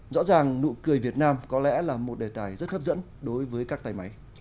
rõ ràng nụ cười việt nam có lẽ là một đề tài rất hấp dẫn đối với các tay máy